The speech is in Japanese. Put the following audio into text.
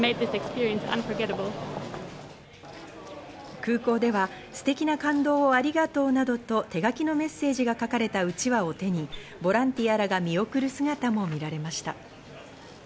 空港では、「すてきな感動をありがとう」などと手書きのメッセージが書かれたうちわを手に、ボランティアらが見送る姿も見られました。